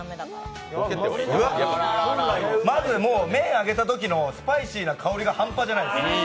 まず麺をあげたときのスパイシーな香りが半端じゃないです。